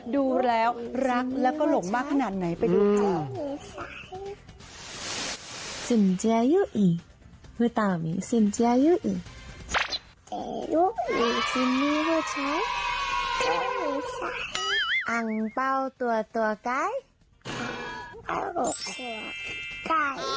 ดูแล้วรักแล้วก็หลงมากขนาดไหนไปดูค่ะ